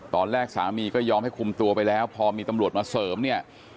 สามีก็ยอมให้คุมตัวไปแล้วพอมีตำรวจมาเสริมเนี่ย